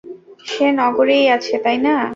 সে নগরেই আছে, তাই না?